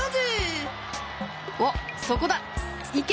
おっそこだいけ！